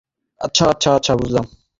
আচ্ছা, আচ্ছা, আচ্ছা, বুঝলাম।